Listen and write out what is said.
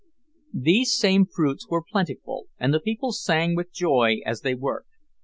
These same fruits were plentiful, and the people sang with joy as they worked.